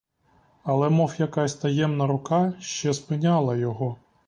Але мов якась таємна рука ще спиняла його.